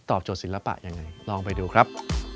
โจทย์ศิลปะยังไงลองไปดูครับ